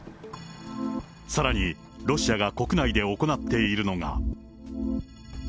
さらにロシアが国内で行っているのが。